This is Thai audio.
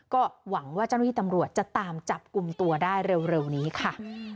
ก็หวังว่าเจ้าหน้าที่ตำรวจจะตามจับกลุ่มตัวได้เร็วนี้ค่ะ